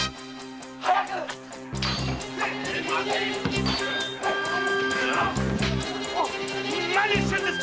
早く‼何してるんです！